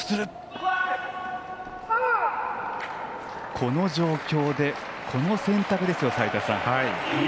この状況でこの選択ですよ、齋田さん。